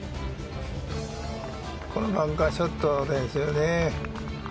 このバンカーショットですよね。